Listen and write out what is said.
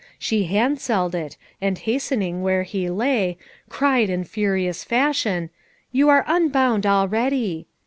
She handselled it, and hastening where he lay, cried in furious fashion, "You are unbound already."